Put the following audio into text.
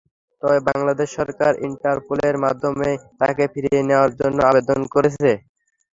তবে বাংলাদেশ সরকার ইন্টারপোলের মাধ্যমে তাঁকে ফিরিয়ে নেওয়ার জন্য আবেদন করেছে।